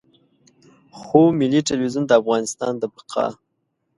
خو ملي ټلویزیون د افغانستان د بقا.